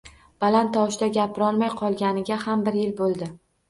Baland tovushda gapirolmay qolganiga ham bir yil boʻldi.